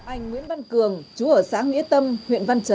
anh nguyễn văn cường chú ở xã nghĩa tâm huyện văn chấn